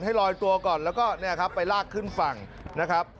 ลอยตัวก่อนแล้วก็เนี่ยครับไปลากขึ้นฝั่งนะครับ